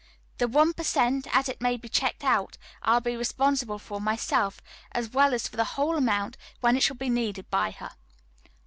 The one per cent., as it may be checked out, I will be responsible for myself, as well as for the whole amount, when it shall be needed by her.